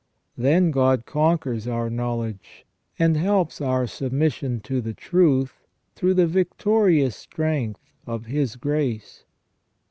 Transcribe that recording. Then God conquers our knowledge, and helps our submission to the truth through the victorious strength of His grace.